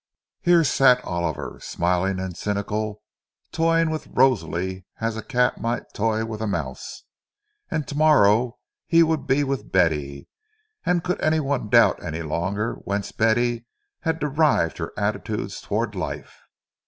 Here sat Oliver, smiling and cynical, toying with Rosalie as a cat might toy with a mouse; and to morrow he would be with Betty—and could anyone doubt any longer whence Betty had derived her attitude towards life?